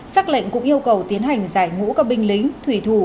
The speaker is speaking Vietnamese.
xác lệnh cũng yêu cầu tiến hành giải ngũ các binh lính thủy thủ